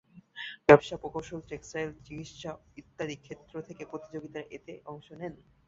ব্যবসা, প্রকৌশল, টেক্সটাইল, চিকিত্সা ইত্যাদি ক্ষেত্র থেকে প্রতিযোগীরা এতে অংশ নেন।